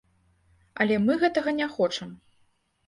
Але мы гэтага не хочам.